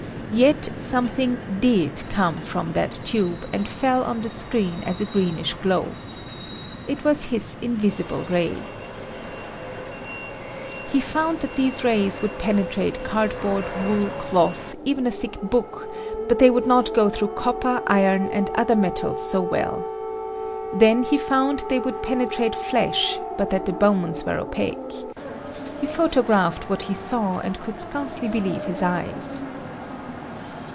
Yet something did come from that tube and fell on the screen as a greenish glow. It was his invisible ray! ROENTGEN'S RAY He found that these rays would penetrate cardboard, wood, cloth, even a thick book, but they would not go through copper, iron and other metals so well. Then he found they would penetrate flesh but that the bones were opaque. He photographed what he saw and could scarcely believe his eyes.